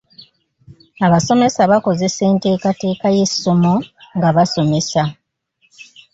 Abasomesa bakozesa enteekateeka y'essomo nga basomesa.